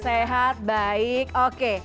sehat baik oke